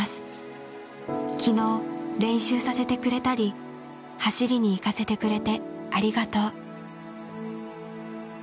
昨日練習させてくれたり走りに行かせてくれてありがとう」。